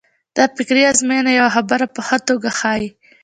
دا فکري ازموینه یوه خبره په ښه توګه ښيي.